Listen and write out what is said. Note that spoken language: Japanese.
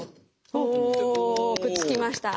おおくっつきました。